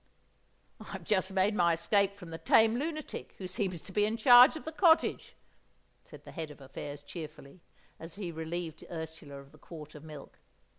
"I've just made my escape from the tame lunatic who seems to be in charge of the cottage," said the Head of Affairs cheerfully, as he relieved Ursula of the quart of milk.